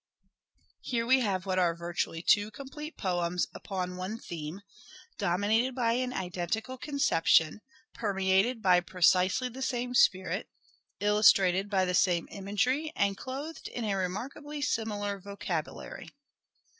Here we have what are virtually two complete poems upon one theme, dominated by an identical conception, per meated by precisely the same spirit, illustrated by the same imagery and clothed in a remarkably similar vocabulary.